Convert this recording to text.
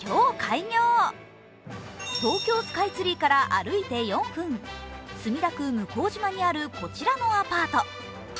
東京スカイツリーから歩いて４分墨田区向島にあるこちらのアパート。